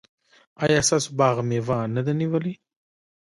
ایا ستاسو باغ مېوه نه ده نیولې؟